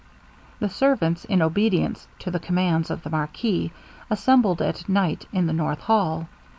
The servants, in obedience to the commands of the marquis, assembled at night in the north hall.